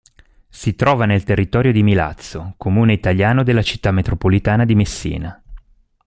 Si trova nel territorio di Milazzo, comune italiano della città metropolitana di Messina.